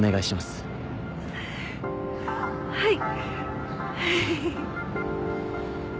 はい。